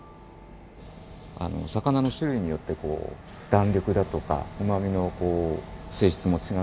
魚の種類によってこう弾力だとかうまみの性質も違うので。